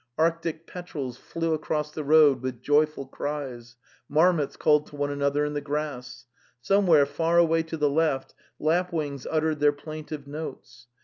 Arctic petrels flew across the road with joy ful cries; marmots called to one another in the grass. Somewhere, far away to the left, lapwings uttered their plaintive notes.